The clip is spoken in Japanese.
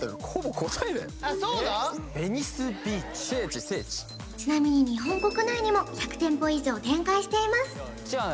聖地聖地ちなみに日本国内にも１００店舗以上展開しています